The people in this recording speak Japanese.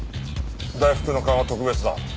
大福の勘は特別だ。